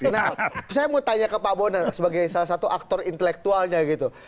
nah saya mau tanya ke pak bondan sebagai salah satu aktor intelektualnya gitu